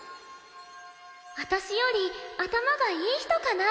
私より頭がいい人かな。